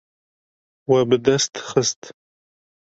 We bi dest xist.